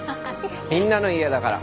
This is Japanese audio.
みんなの家だから。